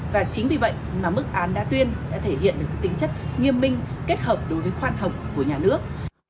và chính vì vậy mà mức án đa tuyên đã thể hiện được tính chất nghiêm minh kết hợp đối với khoan hồng của nhà nước